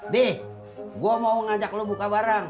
dih gua mau ngajak lo buka barang